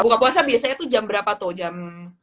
buka puasa biasanya tuh jam berapa tuh jam